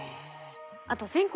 あと全国